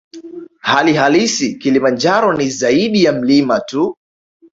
Hali halisi Kilimanjaro ni zaidi ya mlima tu